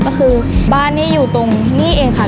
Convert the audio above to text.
ก็คือบ้านนี้อยู่ตรงนี้เองค่ะ